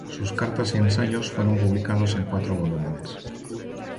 Sus cartas y ensayos fueron publicados en cuatro volúmenes.